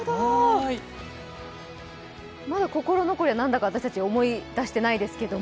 まだ心残りが何だか私たちは思い出してないですけど。